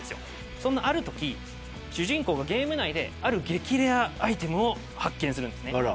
そんなあるとき主人公がゲーム内で激レアアイテムを発見するんです。